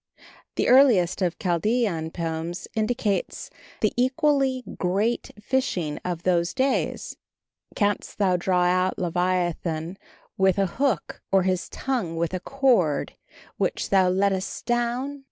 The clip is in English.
The earliest of Chaldean poems indicates the equally great fishing of those days: "Canst thou draw out leviathan with an hook, or his tongue with a cord which thou lettest down?"